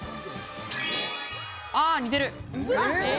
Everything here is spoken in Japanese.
あ似てる。